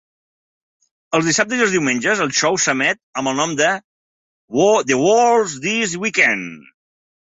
Els dissabtes i els diumenges, el xou s'emet amb el nom The World This Weekend.